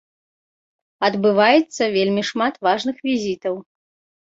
Адбываецца вельмі шмат важных візітаў.